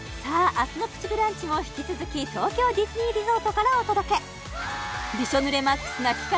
明日の「プチブランチ」も引き続き東京ディズニーリゾートからお届けびしょ濡れＭＡＸな期間